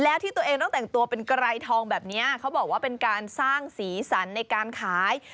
แล้วที่ตัวเองต้องแต่งตัวเป็นไกรทองแบบนี้เขาบอกว่าเป็นการสร้างสีสันในการขาย